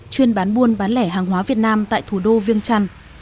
chuyên bán buôn bán lẻ hàng hóa việt nam tại thủ đô viêng trăn